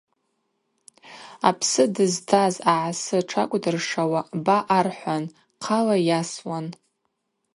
Апсы дызтаз агӏасы тшакӏвдыршауа ба архӏвуан, хъала йасуан.